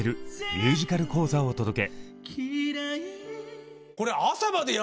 「ミュージカル講座」をお届け！